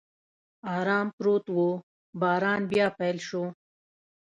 ارام پروت و، باران بیا پیل شو.